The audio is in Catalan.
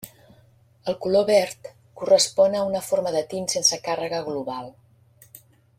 El color verd correspon a una forma de tint sense càrrega global.